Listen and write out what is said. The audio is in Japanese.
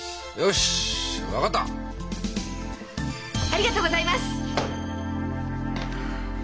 ありがとうございます！